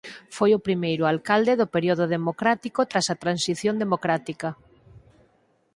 Foi o primeiro alcalde do período democrático tras a transición democrática.